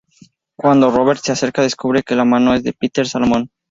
Cuando Robert se acerca descubre que la mano es de Peter Solomon.